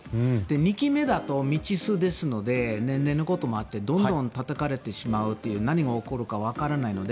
２期目だと未知数ですので年齢のこともあってどんどんたたかれてしまうという何が起こるかわからないので。